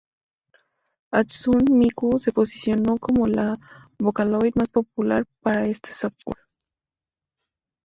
Hatsune Miku se posicionó como la vocaloid más popular para este software.